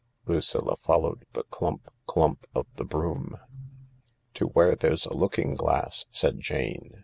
Lucilla followed the clump, clump of the broom. " To where there's a looking glass," said Jane.